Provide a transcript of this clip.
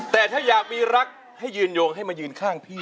แต่ถ้าอยากมีรักให้ยืนโยงให้มายืนข้างพี่